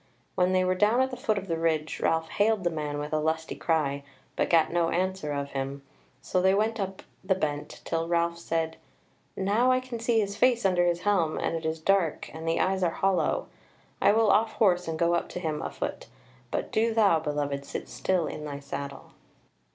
When they were down at the foot of the ridge Ralph hailed the man with a lusty cry, but gat no answer of him; so they went on up the bent, till Ralph said: "Now I can see his face under his helm, and it is dark and the eyes are hollow: I will off horse and go up to him afoot, but do thou, beloved, sit still in thy saddle."